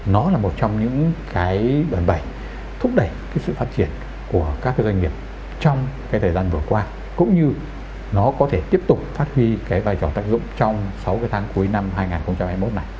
nó là một trong những cái đòn bẩy thúc đẩy cái sự phát triển của các doanh nghiệp trong cái thời gian vừa qua cũng như nó có thể tiếp tục phát huy cái vai trò tác dụng trong sáu cái tháng cuối năm hai nghìn hai mươi một này